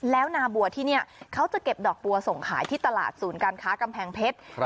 แล้วนาบัวที่นี่เขาจะเก็บดอกบัวส่งขายที่ตลาดศูนย์การค้ากำแพงเพชร